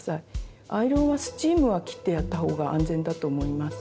アイロンはスチームは切ってやったほうが安全だと思います。